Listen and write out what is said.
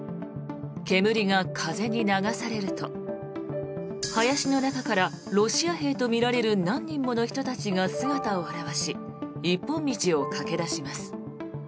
煙が風に流されると林の中からロシア兵とみられる何人もの人たちが姿を現し一本道を駆け出します。